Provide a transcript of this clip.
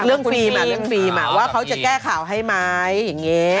ฟิล์มเรื่องฟิล์มว่าเขาจะแก้ข่าวให้ไหมอย่างนี้